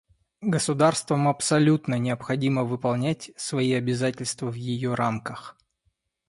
Государствам абсолютно необходимо выполнять свои обязательства в ее рамках.